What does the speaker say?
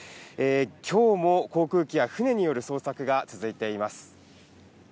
今日も航空機や船による捜索が続いています。